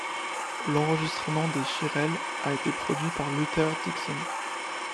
L'enregistrement des Shirelles a été produit par Luther Dixon.